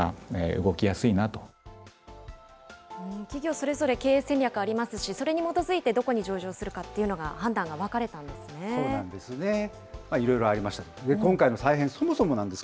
企業それぞれ経営戦略ありますし、それに基づいて、どこに上場するかっていうのが判断が分かれたんですね。